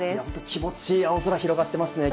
気持ち良い青空、広がってますね。